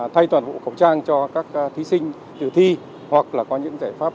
thay toàn hộ khẩu trang cho các thí sinh từ thi hoặc là có những giải pháp